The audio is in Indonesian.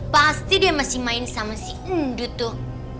pasti dia masih main sama si undu tuh